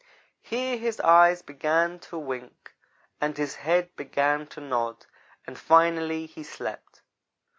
Here his eyes began to wink, and his head began to nod, and finally he slept.